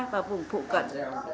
và vùng phụ cận